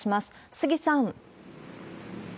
杉さん。